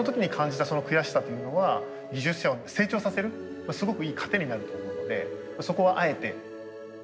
その悔しさというのは技術者を成長させるすごくいい糧になると思うのでそこはあえて。